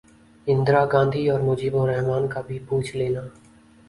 اندرا گاندھی اور مجیب الر حمن کا بھی پوچھ لینا